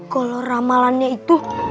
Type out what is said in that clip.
kalo ramalannya itu